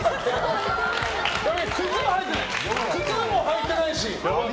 靴も履いてないし。